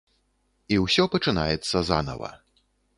І ўсё пачынаецца занава.